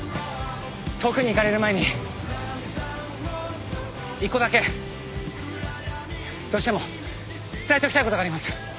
遠くに行かれる前に１個だけどうしても伝えておきたいことがあります